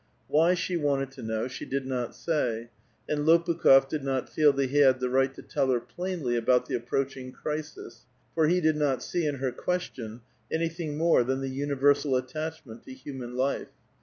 Why she wanted to know, she did not say, and Lopukh6f did not feel that he had the right to tell her plainly about the approach ing crisis, for he did not see in her question anything more than the universal attachment to human life.